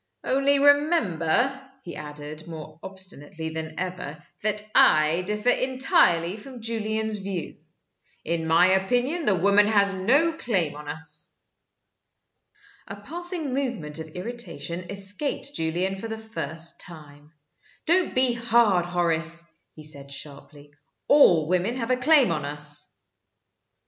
Only remember," he added, more obstinately than ever, "that I differ entirely from Julian's view. In my opinion the woman has no claim on us." A passing movement of irritation escaped Julian for the first time. "Don't be hard, Horace," he said, sharply. "All women have a claim on us."